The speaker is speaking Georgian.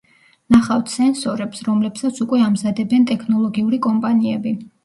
ნახავთ სენსორებს, რომლებსაც უკვე ამზადებენ ტექნოლოგიური კომპანიები.